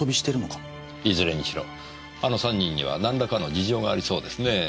いずれにしろあの３人にはなんらかの事情がありそうですねぇ。